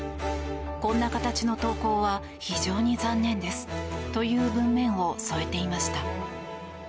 こんな形の投稿は非常に残念ですという文面を添えていました。